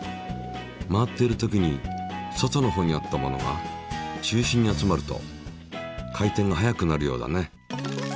回っているときに外のほうにあったものが中心に集まると回転が速くなるようだね。